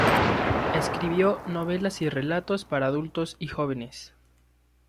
Escribió novelas y relatos para adultos y jóvenes.